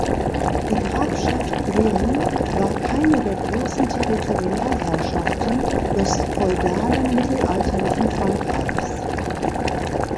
Die Grafschaft Brienne war keine der großen Territorialherrschaften des feudalen mittelalterlichen Frankreichs.